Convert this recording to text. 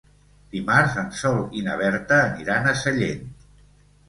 Dimarts en Sol i na Berta aniran a Sellent.